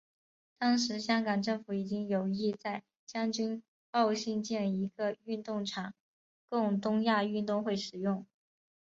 当时香港政府已经有意在将军澳兴建一个运动场供东亚运动会使用。